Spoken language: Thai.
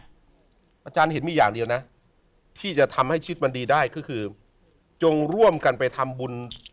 อาจารย์เห็นมีอย่างเดียวนะที่จะทำให้ชีวิตมันดีได้ก็คือจงร่วมกันไปทำบุญ